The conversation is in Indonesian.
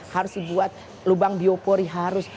harus dibuat lubang biopori harus